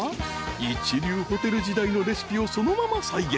［一流ホテル時代のレシピをそのまま再現］